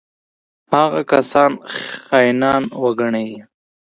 هغه کسان خاینان وګڼي.